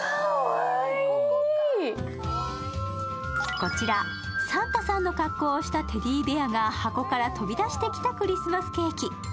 こちらサンタさんの格好をしたテディベアが箱から飛び出してきたクリスマスケーキ。